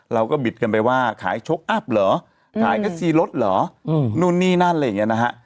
บิดกันไปว่าขายชกอัพเหรอขายแค่ซีรถเหรอนู่นนี่นั่นอะไรอย่างนี้นะฮะ